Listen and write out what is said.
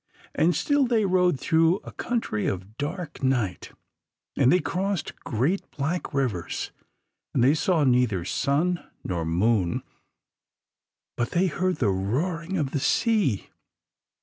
And still they rode through a country of dark night, and they crossed great black rivers, and they saw neither sun nor moon, but they heard the roaring of the sea.